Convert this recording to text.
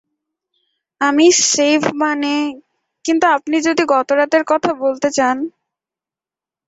আমি শেভ মানে, কিন্তু আপনি যদি গত রাতের কথা বলতে চান।